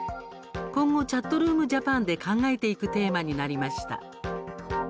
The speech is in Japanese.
今後「ＣｈａｔｒｏｏｍＪａｐａｎ」で考えていくテーマになりました。